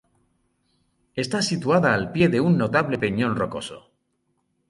Está situada al pie de un notable peñón rocoso.